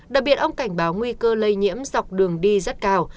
đặc biệt ông cảnh báo nguy cơ lây nhiễm dọc đường đi rất cao